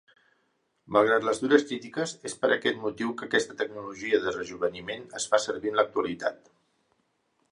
Malgrat les dures crítiques, és per aquest motiu que aquesta tecnologia de rejoveniment es fa servir en l'actualitat.